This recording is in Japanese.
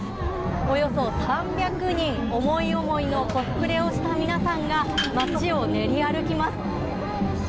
およそ３００人、思い思いのコスプレをした皆さんが街を練り歩きます。